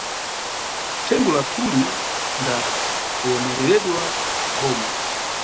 Thengo lathuli nda kuwonereredwa na boma.